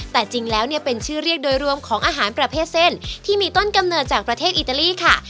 แต่จริงแล้วเนี่ยเป็นชื่อเรียกโดยรวมของอาหารประเภทเส้นที่มีต้นกำเนิดจากประเทศอิตาลีค่ะ